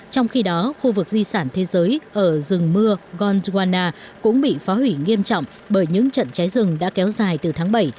trong khi đó khu vực di sản thế giới ở rừng mưa gondwana cũng bị phá hủy nghiêm trọng bởi những trận cháy rừng đã kéo dài từ tháng bảy